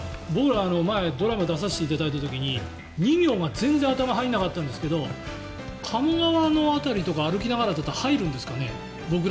僕ら、前にドラマに出させていただいた時に２行が全然頭に入らなかったんですが鴨川の辺りとか歩きながらだと入るんですかね？